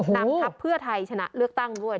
นำพักเพื่อไทยชนะเลือกตั้งด้วย